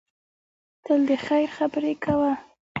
تل د خیر خبرې کوه.